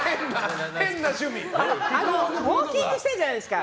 ウォーキングをしてるじゃないですか。